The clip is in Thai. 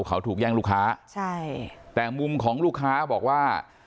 เขาถูกแย่งลูกค้าใช่แต่มุมของลูกค้าบอกว่า